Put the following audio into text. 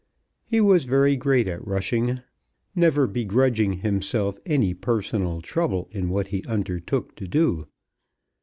He was very great at rushing, never begrudging himself any personal trouble in what he undertook to do.